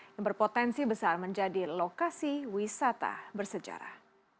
yang berpotensi besar menjadi lokasi wisata bersejarah